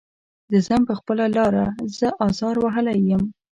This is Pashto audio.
زه ځم په خپله لاره زه ازار وهلی یم.